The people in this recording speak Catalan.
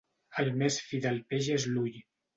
El més fi del peix és l'ull.